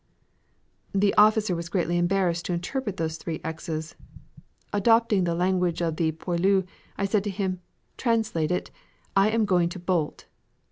The officer was greatly embarrassed to interpret those three X's. Adopting the language of the poilu, I said to him, 'Translate it, "I am going to bolt."'